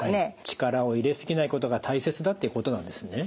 力を入れ過ぎないことが大切だっていうことなんですね。